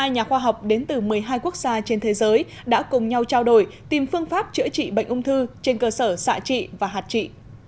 một mươi nhà khoa học đến từ một mươi hai quốc gia trên thế giới đã cùng nhau trao đổi tìm phương pháp chữa trị bệnh ung thư trên cơ sở xạ trị và hạt trị